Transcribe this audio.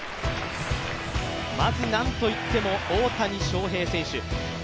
まずなんといっても大谷翔平選手